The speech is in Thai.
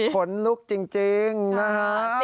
ขนลุกจริงนะฮะ